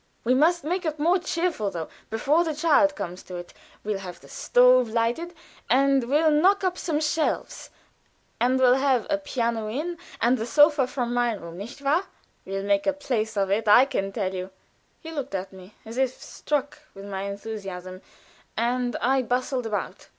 We must make it more cheerful, though, before the child comes to it. We'll have the stove lighted, and we'll knock up some shelves and we'll have a piano in, and the sofa from my room, nicht wahr? Oh, we'll make a place of it, I can tell you." He looked at me as if struck with my enthusiasm, and I bustled about.